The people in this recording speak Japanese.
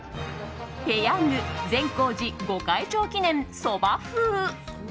ぺヤング善光寺御開帳記念蕎麦風。